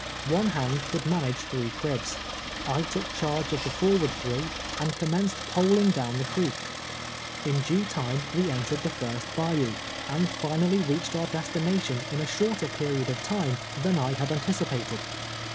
One hand could manage three cribs. I took charge of the forward three, and commenced poling down the creek. In due time we entered the first bayou, and finally reached our destination in a shorter period of time than I had anticipated.